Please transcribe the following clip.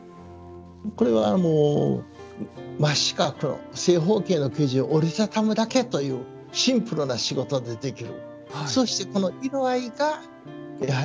これは真四角の正方形の生地を折り畳むだけというシンプルな仕事でできる。